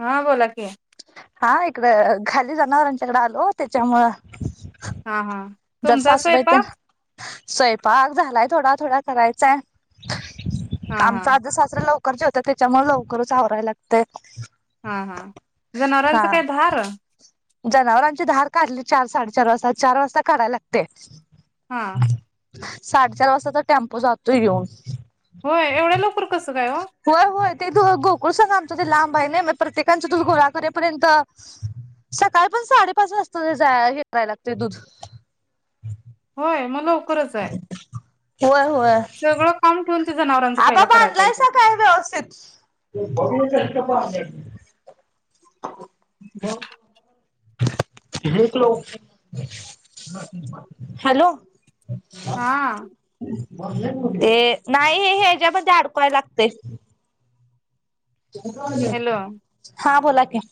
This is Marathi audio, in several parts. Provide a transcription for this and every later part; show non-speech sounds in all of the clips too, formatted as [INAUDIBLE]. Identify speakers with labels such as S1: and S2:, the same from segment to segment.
S1: हा बोला की
S2: हा इकड खाली जनावरांच्याकड आलो त्याच्यामुळं
S1: हा हा
S2: जर
S1: तुमचा
S2: सासबाय
S1: स्वयंपाक
S2: स्वयंपाक झाला थोडा थोडा करायचाय
S1: हा हा
S2: आमचा आज सासरा लाव कर जे होत त्याच्यामुळे लवकरचवाय लागते
S1: हा हा जनावरांचं
S2: हा
S1: काही धार
S2: जनावरांची धार काढली चार साडेचार वाजता चार वाजता काढायला लागते
S1: हा
S2: साडेचार वाजता तर टेम्पो जातोय येऊन
S1: होय एवढ्या लोकर कस
S2: होर हो ते दू गोकुळ सांगा आमच ते लांब आहे नाही प्रत्येकांच दूध गोळा करेपर्यंत सकाळी पण साडेपाच वाजता ते जा हे करायला लागते दूध
S1: होय मला कचा आहे
S2: हो
S1: सगळं काम ठेवून ते जनावरांचं
S2: हा बा
S1: पहिला
S2: ब
S1: करायला पाहिजे
S2: आणलायचा
S1: मग
S2: काय व्यवस्थित हॅलो
S1: हा
S2: ते नाही हे हच्यामध्ये अडकवाय लागते
S1: हॅलो
S2: हा फोला क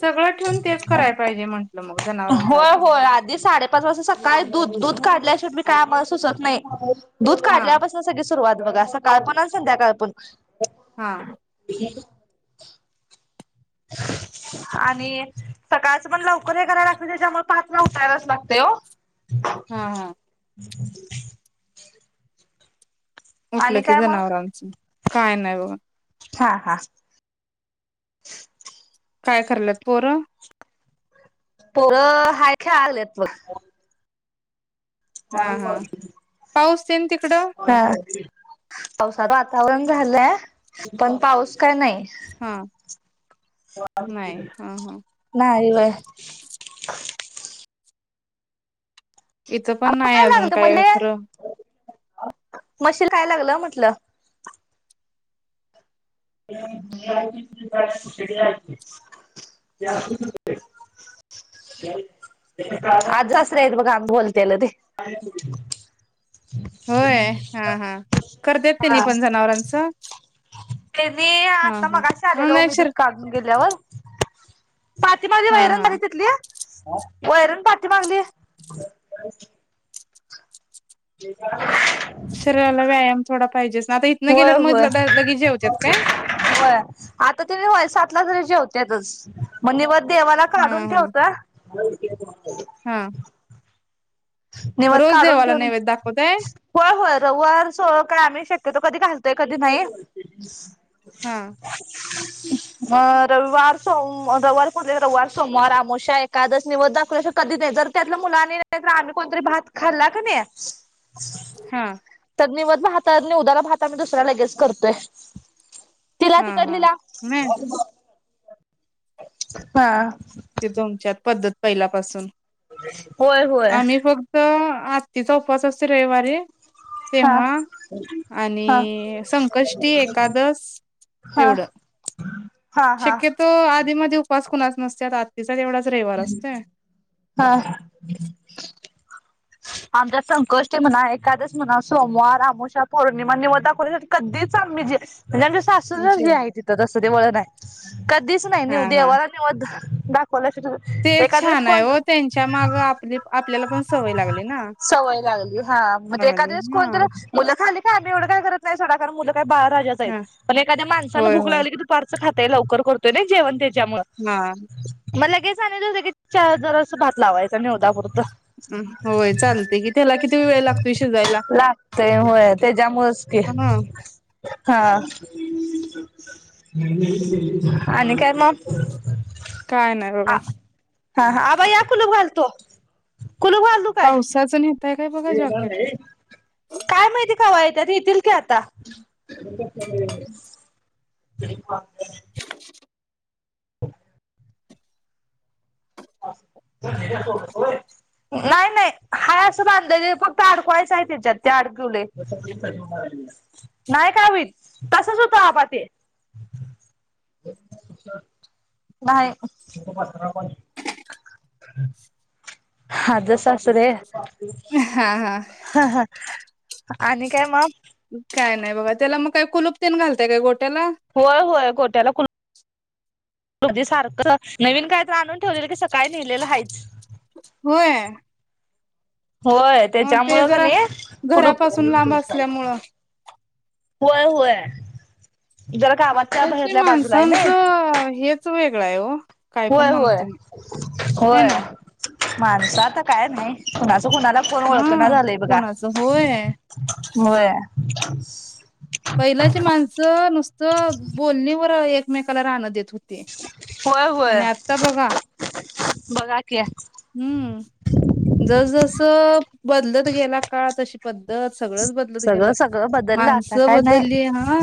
S1: सगळं ठेवून तेच करायला पाहिजे म्हंटलं मग जनावरांच
S2: होय
S1: आधी
S2: होय आधी साडेपाच वाजता सकाळी दूध दूध काढल्या शिव मी काय आम्हाला सुचत नाही दूध
S1: हा
S2: काढल्यापासून सगळे सुरुवात बघ असं काळ पण संध्या काळ पण
S1: हा
S2: ह आणि सकाळच पण लवकर हे करायला लागत त्याच्यामुळे पाचव उतरायलाच लागते हो
S1: हा हा
S2: ह
S1: उठलं की
S2: काय मग
S1: जनावरांचं काय नाही बघा
S2: हा हा
S1: काय कलंत पोरं
S2: पोर हाय ख्या आगलेत मग
S1: हा हा पाऊस तेन तिकडं
S2: पावसाचं वातावरण झालंय पण पाऊस काय नाही
S1: हा नाही हा हा
S2: नाही रवय
S1: इथं पण
S2: अहो
S1: नाही अजून काय खरं
S2: मशीील काय लागलं म्हटलं आज जास् येत बघ आम्ही बोलतेला ते
S1: होय हा हा कर देत त्यांनी पण जनावरांचं
S2: तेनी
S1: हा
S2: आता
S1: हा
S2: मगाशी
S1: हा
S2: आलेल हो
S1: नाही
S2: मी
S1: शर
S2: दूध काढून गेल्यावर मातीमध्येी
S1: हा
S2: वैरण
S1: हा
S2: घयचीतली वैरण पा्टी मागली ते का
S1: शरीराला व्यायाम थोडा पाहिजेच ना आता इथनं
S2: होय
S1: गेल्यावर मध
S2: होय.
S1: लगेचेवच्यात काय
S2: होत देवाला
S1: हा
S2: काढून
S1: हा
S2: ठेवत
S1: हा
S2: निवद
S1: रोज
S2: काढून
S1: देवाला
S2: ठेऊन
S1: नैवेद्य दाखवताय
S2: होय होय रविवार सोडून काय आम्ही शक्यतो कधी घोल ते कधी नाही.
S1: हा
S2: रविवार सम रविवार पुजले रविवार सोमवार अमावस्या एकादस निवद दाखल्याशिवाय कधीच नाही जर त्यातल्या मुलानी नाही तर आम्ही कोणतरी भात खाल्ला का नाही
S1: हा
S2: तर निवद भात हा निवदाला भात आम्ही दुसरा लगेच करतोय. तिला
S1: हा हा
S2: तिकडलीला
S1: नाही
S2: हा
S1: ते तुमच्यात पद्धत पहिल्यापासून
S2: होय होय
S1: आम्ही फक्त आत्तीचा उपस असते रविवारी
S2: हा
S1: तेव्हा
S2: हा
S1: आणि संकष्टी एकादस
S2: हा
S1: एवढं
S2: हा हा
S1: शक्यतो आधीमध्ये उपवास कुणाच नसत्यात तेवढाच रविवार असतोय.
S2: हा आमच्यात संकष्टी म्हणा एकादशी म्हणा सोमवार अमावस्या पौर्णिमा निवद दाखवल्याशिवाय कधीच आम्ही जे म्हणजे आमच्या सासूचच हे
S1: जेव
S2: आहे तिथं तसं ते वळण आहे कधीच नाही
S1: हा हा
S2: देवाला निवद [UNINTELLIGIBLE]
S1: ते
S2: एखाद्या वेळेस
S1: छान आहे
S2: कोण
S1: व त्यांच्या माग आपली आपल्याला पण सवय लागली. ना
S2: सवय लागली हा मग एखादं
S1: लागली
S2: दिवस
S1: हा
S2: कोणत मुलं खाली हा आम्ही एवढं काय करत नाही सोडा कारण मुलं बाळराजा आहेत
S1: हा
S2: पण एखा्या माणसं
S1: होय
S2: भूक
S1: होय
S2: लागले की फारसं खात ते लवकर करतोय जेवण ते
S1: हा
S2: च्यामुळं मला का सांग द की चार जरा असं भात लावायचा मी निवदापुरता
S1: ह होय. चालते कि त्याला किती वेळ लागतोय शिजायला
S2: लागतय होय त्याच्यामुळंच की
S1: हा
S2: हा आणि काय मग
S1: काय नाही
S2: आ
S1: बघा
S2: हा आबा या कुलूप घालतो.
S1: पाऊस चाच
S2: णार नाही काय माहिती थ का आता ह ह ह नाही नाही हाय असं बांध फक्त आडकवायचं आहे त्याच्यात ते अडकवले नाही का होत तसच होत आपात नाही ह् अज सास्रे हा हा आणि काय म
S1: काय नाही बघा त्याला मग काय कुलप तेन घालतय काय गोट्याला
S2: होय होय गोट्याला कणा क सारख नवीन काय तर आणून ठेवलेलं की सकाळी नेहिलेलं आहेायच
S1: होय
S2: होय
S1: मग ते
S2: त्याच्यामुळ का
S1: जरा
S2: नाही कुलूप
S1: घरापासून लांब असल्यामुळं
S2: हु हय
S1: आताश माणसांचं हे वेगळं आहे हो काय पण
S2: होय
S1: म्हणा
S2: होय
S1: तुम्ही हाय
S2: होय
S1: ना
S2: माणसं आता काय नाही तु तो कुणाला फोन ओळखना
S1: हा
S2: झालंय बघा
S1: कोणाचं होय
S2: म
S1: पहिल्याच माणसं नुसतं बोलणीवर म कलर आण देतो ते
S2: होय होय
S1: आणि आता बघा
S2: बघा की
S1: हम्म जस जस बदलत गेला काळ तशी प ब सगळंच बदलत गेल
S2: सगळं सगळं बदललं आता
S1: माणसं
S2: काय नाही
S1: बदलली हा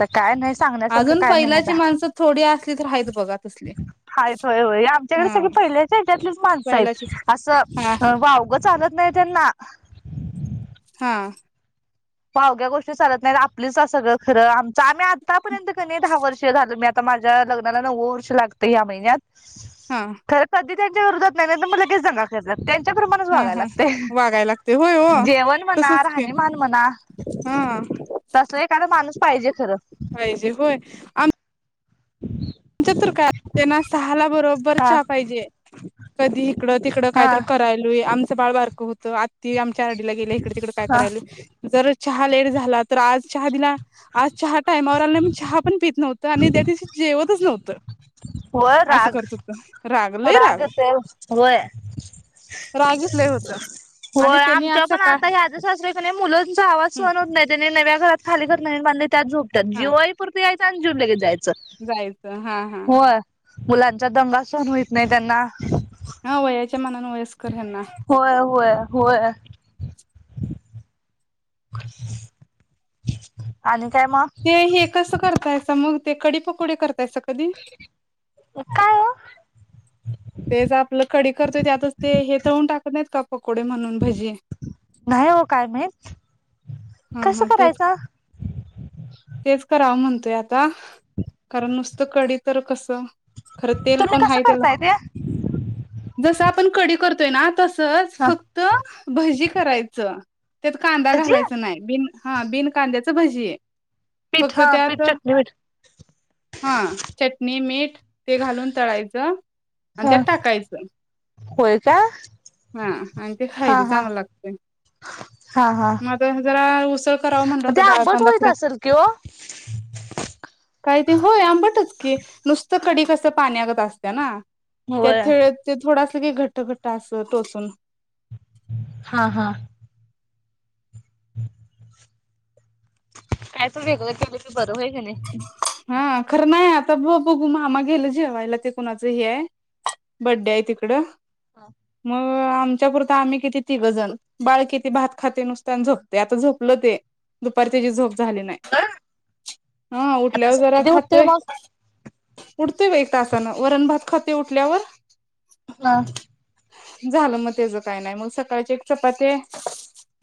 S2: तर काय नाही सांगण्यासारखं
S1: अजून
S2: काय नाही आता
S1: पहिलाची माणसं थोडी असली तर राहत बघा तसले हा
S2: ेट्यातलेच
S1: पहिलाचीच
S2: माणसाहेब
S1: हा
S2: असं वावगं चालत नाही त्यांना
S1: हां
S2: अवघ्या गोष्टी चालत नाही आपलीच सगळं खरं आमचं आम्ही आतापर्यंत क नाही दहा वर्ष झाली. आता माझ्या लग्नाला नव्व वर्ष लागतं या महिनत.
S1: हा
S2: तर पदी. त्यांच्या विरोधात नाही नाहीतर लगेच दंगा करतात. त्याच्या प्रमाणच
S1: हा
S2: बगायला
S1: हा
S2: लागते.
S1: वागायला लागते होय हो
S2: जेवण म्हणा
S1: तसच की
S2: राहणीमान म्हणा.
S1: हा
S2: तसलं एखाद माणूस पाहिजे खरं.
S1: पाहिजे होय आमच्या तर काय तेन्हा सहाला. बरोबर
S2: हा
S1: चा पाहिजे. ह. कधी इकडं तिकडं काय
S2: हा
S1: तर करायलय आम. बाळ बारक होत आ. चारडीला गेल्या इकडे तिकडे काय
S2: हा
S1: करायल जर चहा लेट झाला तर आज. चहा दिला आज. चहा टाईमा वर आला मी चहा पण पी नव्हता. तर आणि दिवशी जेव च नव्हतं.
S2: होय राग राग ते होय
S1: रागीट लय होत आणि
S2: होय
S1: त्यांनी
S2: आमच्या
S1: असं
S2: पण
S1: का
S2: आता यादच असर क नाही मुलंच. मुलंचा आवाज
S1: हं
S2: सन होत नाही त्यानी नव्या घरात. खाली कर नाही बांध त्यात झोप.
S1: हा
S2: जिवाला पुरत यायचा. आणि लगेच जिऊन जायचं.
S1: जायचं. हा हा.
S2: होय. मुलांचा दंगा सहण होईत नाही त्यांना.
S1: हा वय. मनान वयस्कर आहे ना.
S2: होय होय होय. आणि. काय मग
S1: ते हे कसं करतायच मग. ते कडी पकोडे कर. त्यास कधी.
S2: काय ओ
S1: तेच आपलं कडी करतोय त्यातच ते हे तर होून टाकत नाहीत का. पकोडे म्हणून भजी
S2: नाही हो काय माहीत.
S1: हा हा तेच तेच कराव म्हण [UNINTELLIGIBLE] आ कारण नुसत कडी तर कसं खरं तेल
S2: तुम्ही
S1: पण
S2: कसं
S1: हाय त्याला
S2: करताय ते?
S1: जसं आपण कडी करत ना तसं सच
S2: हा
S1: फक्त भजी करायचं. त्यात कांदा
S2: भजी
S1: घालायच हा बिन कांद्या त्याचं भजी.
S2: पीठ
S1: फक्त
S2: हा पीठ
S1: त्यात
S2: चटणी मीठ
S1: हा चटणी मीठ ते घालून तळायचं. आणि त्यात
S2: हा
S1: टाकायचं
S2: होय का
S1: हा आणि ते
S2: हा
S1: खायचं
S2: हा
S1: चांगलं लागतं
S2: हा हा
S1: म जरा उसळ करावं म्हणल
S2: मग ते
S1: होतं
S2: आंबट
S1: डाळकांदा
S2: होईत
S1: करा
S2: असेल कि ओ?
S1: काहीते होय आंबटच की नुसत कडी कसं पाण्यागत असत्या ना.
S2: होय.
S1: त्याथेळ ते थोडा असं घटृ घट्ट असं टोचून.
S2: हा हा काय तर वेगळं केलं की बघ्
S1: हा खरं नाही आता ब बघू मामा गेलं जेवायला ते कोणाचं हे आहे बड्डे आहे तिकडं.
S2: हा
S1: आमच्या पुरतं आम्ही किती तिघजण बाळ किती भात. खातंय नुसते अन् झोपते आता झोप लं ते दुपारी त्याची झोप झाली नाही.
S2: होय.
S1: हा
S2: आता
S1: उठल्यावर
S2: स
S1: जरा
S2: कधी उठतोय
S1: खातोय
S2: मग
S1: उठतोय बघा एक तासानं वरण भात खात ते उठल्यावर.
S2: हा
S1: झालं मग त्याच काही नाही मग सकाळची एक चपाती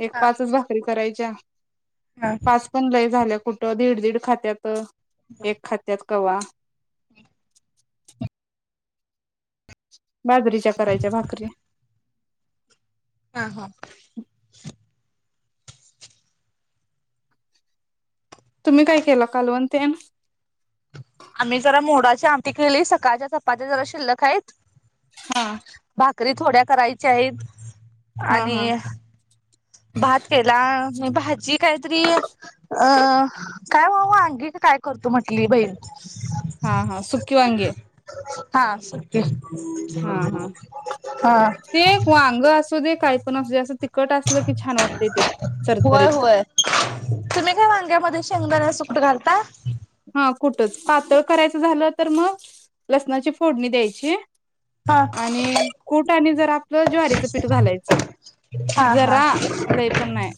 S1: एक
S2: ह
S1: पाचच भाकरी करायच्या. पाच पण लय झाल्या. कुठ दीड दीड खात त्यात एक खात्यात कवा [INAUDIBLE] बाजरीच्या करायच्या भाकरी.
S2: ह ह.
S1: तुम्ही काय केलं कालव तेन.
S2: आम्ही जरा मोडाची आमटी केली सकाळच्या चपाात्या जरा शिल्लक हायत.
S1: हा.
S2: भाकरी थोड्या करायच्यायेत.
S1: हा हा
S2: आणि भात केला भाजी काहीतरी अ काय वा वागी का काय करतो म्हण ली बईण
S1: हा हा सुकी वागे.
S2: हा सुकी.
S1: हा हा
S2: हा
S1: ते एक वांग असु दे काही पण असु अस ते
S2: होय
S1: चरचरीत
S2: होय तुम्ही काय वांग्यामध्ये शेंगदाण्याच कुठ घालता.
S1: हा कुठच पातळ करायचं झालं तर मग लसणाची फोडणी द्यायची
S2: हा
S1: आणि कूट आणि जरा आपलं ज्वारीच पीठ घालायचं
S2: हा हा
S1: जरा लय पण नाय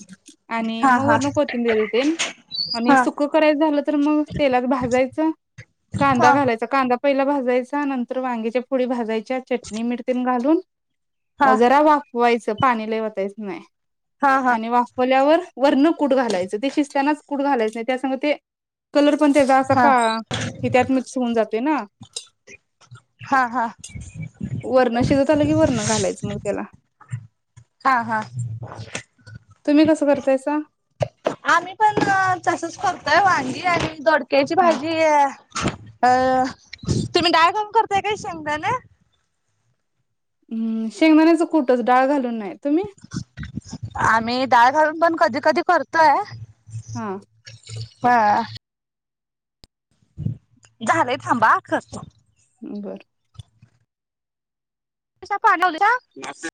S1: आणि
S2: हा
S1: मग
S2: हा
S1: वर्ण कोथिंबीरी ते आणि
S2: हा
S1: सुख करायचं झालं तर मग तेलात भाजायचं कांदा
S2: हा
S1: घालायचा कांदा पहिला भाजायचा नंतर वांग्याच्या फोडी भाजाय च्या चटणी मीठ तेन घालून [INAUDIBLE] अ
S2: हा
S1: जरा वाफवायचं. पाणी लई ओतायच नाय.
S2: हा हा
S1: आणि वाफवल्यावर वरण कुठ घालायचं ते शिस्तानाच कुठ घालायचं नाही त्या सग ते कलर पण त्याचा असा
S2: हा
S1: काळा हे त्यात मिक्स होऊन जातोय ना
S2: हा हा
S1: वर्ण शिजत आलं कि वर्ण घालायचं मग त्याला
S2: हा हा.
S1: तुम्ही कसं करतायसा
S2: आम्ही पण तसच करतोय वागींं [UNINTELLIGIBLE] कैची
S1: हा
S2: भाजी अ अ तुम्ही डायगम करताय काही शांगता ना
S1: हम्म शेंगदाण्याचं कुठंच डाळ घालून नाहीयत
S2: आमही डाळ घालून पण कधी कधी करतोय
S1: हा
S2: ह झालंय थांबा खसत
S1: बरं
S2: त